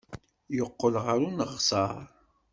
Yeqqel ɣer uneɣsar.